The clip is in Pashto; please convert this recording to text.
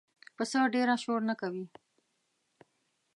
پسه ډېره شور نه کوي.